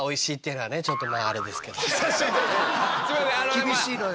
厳しいのよ。